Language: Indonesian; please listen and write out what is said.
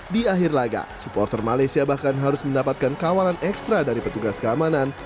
di akhir laga supporter malaysia bahkan harus mendapatkan kawanan ekstra dari petugas keamanan